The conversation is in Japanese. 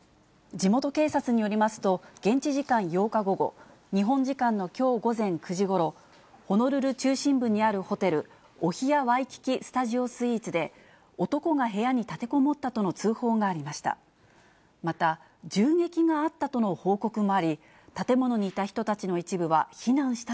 地元警察によりますと、現地時間８日午後、日本時間のきょう午前９時ごろ、ホノルル中心部にあるホテル、オヒア・ワイキキ・スタジオスイーツで、男が部屋に立てこもったとの通報がありました。